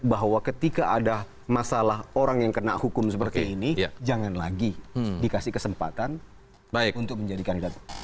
bahwa ketika ada masalah orang yang kena hukum seperti ini jangan lagi dikasih kesempatan untuk menjadi kandidat